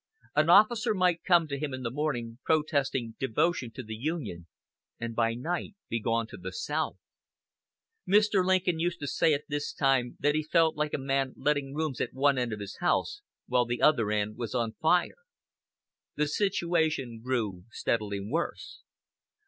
An officer might come to him in the morning protesting devotion to the Union, and by night be gone to the South. Mr. Lincoln used to say at this time that he felt like a man letting rooms at one end of his house while the other end was on fire. The situation grew steadily worse.